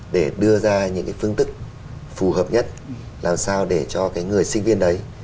để đưa ra những cái phương tức phù hợp nhất làm sao để cho cái người sinh viên đấy